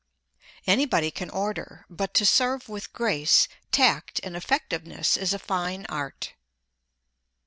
Anybody can order, but to serve with grace, tact and effectiveness is a fine art.